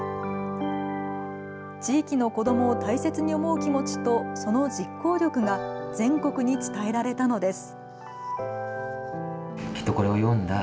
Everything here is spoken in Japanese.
地域の子どもを大切に思う気持ちとその実行力が全国に伝えられたのです。